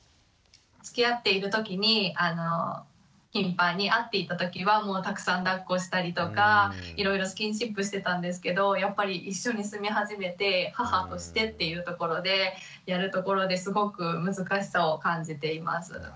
つきあっている時に頻繁に会っていた時はもうたくさんだっこしたりとかいろいろスキンシップしてたんですけどやっぱり一緒に住み始めて母としてっていうところでやるところですごく難しさを感じています。